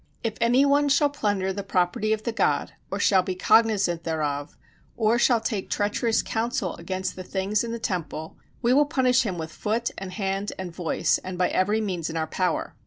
"If any one shall plunder the property of the god, or shall be cognizant thereof, or shall take treacherous counsel against the things in the temple, we will punish him with foot, and hand, and voice, and by every means in our power."